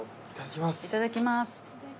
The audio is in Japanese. いただきます。